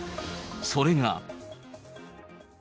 それが。